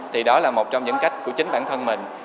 thì đó là một trong những cách của chính bản thân mình